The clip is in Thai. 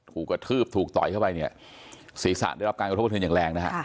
กระทืบถูกต่อยเข้าไปเนี่ยศีรษะได้รับการกระทบกระเทือนอย่างแรงนะฮะ